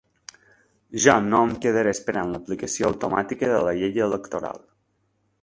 Jo no em quedaré esperant l’aplicació automàtica de la llei electoral.